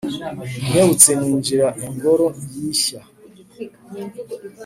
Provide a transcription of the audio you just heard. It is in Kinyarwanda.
Nkebutse ninjira ingoro yishya